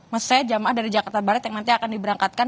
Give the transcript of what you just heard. maksudnya jemaah dari jakarta barat yang nanti akan diberangkatkan